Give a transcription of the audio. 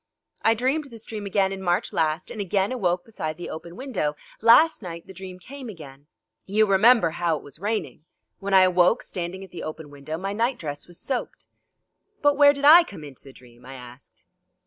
I dreamed this dream again in March last, and again awoke beside the open window. Last night the dream came again. You remember how it was raining; when I awoke, standing at the open window, my night dress was soaked." "But where did I come into the dream?" I asked.